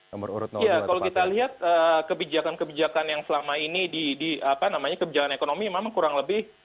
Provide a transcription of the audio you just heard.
kalau kita lihat kebijakan kebijakan yang selama ini di kebijakan ekonomi memang kurang lebih